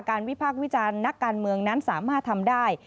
วิพากษ์วิจารณ์นักการเมืองนั้นสามารถทำได้